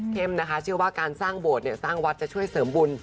นะคะเชื่อว่าการสร้างโบสถ์เนี่ยสร้างวัดจะช่วยเสริมบุญ